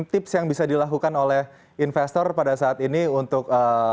tips yang bisa dilakukan oleh investor pada saat ini untuk